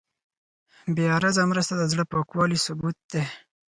بېغرضه مرسته د زړه پاکوالي ثبوت دی.